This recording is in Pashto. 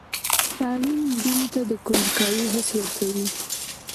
تعلیم نجونو ته د کنجکاوۍ حس ورکوي.